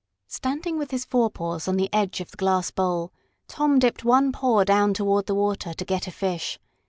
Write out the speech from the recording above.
Standing with his forepaws on the edge of the glass bowl, Tom dipped one paw down toward the water to get a fish.